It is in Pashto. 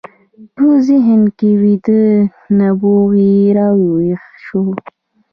په ذهن کې ویده نبوغ یې راویښ شو